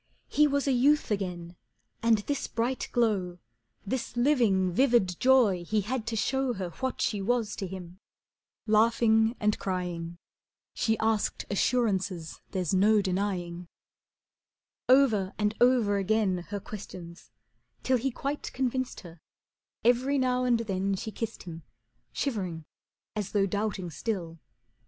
He was a youth again, and this bright glow, This living, vivid joy he had to show Her what she was to him. Laughing and crying, She asked assurances there's no denying. Over and over again her questions, till He quite convinced her, every now and then She kissed him, shivering as though doubting still.